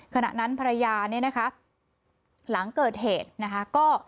ขณะนั้นภรรยาเนี่ยนะคะหลังเกิดเหตุนะคะก็